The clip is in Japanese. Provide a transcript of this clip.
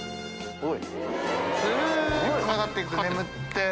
おい。